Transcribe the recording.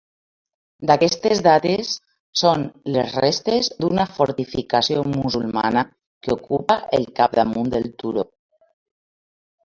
D'aquestes dates són les restes d'una fortificació musulmana que ocupa el capdamunt del turó.